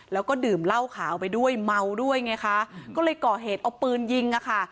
แล้วก็ดื่มเหล้าขาวไปด้วยเมาด้วยไงคะก็เลยก่อเหตุเอาปืนยิงอ่ะค่ะ